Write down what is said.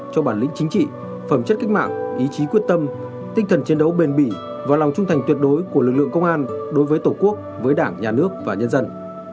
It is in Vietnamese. chiến đấu bền bỉ và lòng trung thành tuyệt đối của lực lượng công an đối với tổ quốc với đảng nhà nước và nhân dân